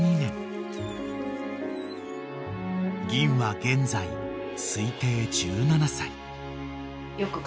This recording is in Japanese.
［ぎんは現在推定１７歳］